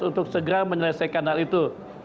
untuk segera menyelesaikan hal itu